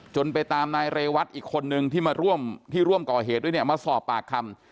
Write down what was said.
จนไปตามนายเรวัตอีกคนนึงที่มาร่วมก่อเหตุด้วยมาสอบปากคำ